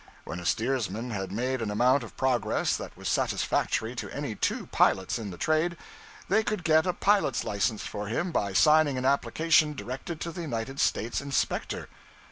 When a steersman had made an amount of progress that was satisfactory to any two pilots in the trade, they could get a pilot's license for him by signing an application directed to the United States Inspector.